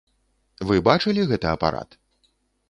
Вы бачылі гэты апарат?!